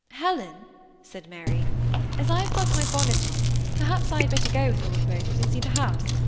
" Helen," said Mary, " as I have got my bonnet on, perhaps I had better go with Lord Beaufort and see the house.